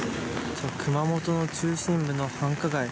熊本中心部の繁華街